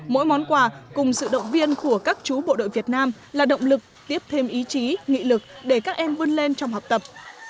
mỗi món quà cùng sự động viên của các chú bộ đội việt nam là động lực tiếp thêm ý chí nghị lực để các em vươn lên trong học tập